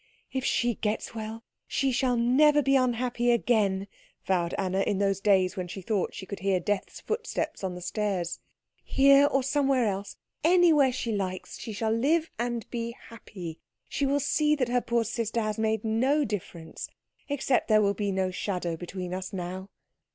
"If she gets well, she shall never be unhappy again," vowed Anna in those days when she thought she could hear Death's footsteps on the stairs. "Here or somewhere else anywhere she likes she shall live and be happy. She will see that her poor sister has made no difference, except that there will be no shadow between us now."